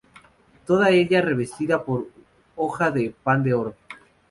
Toda ella revestida por hoja de pan de oro.